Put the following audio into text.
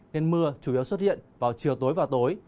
nên mưa chủ yếu xuất hiện vào chiều tối và tối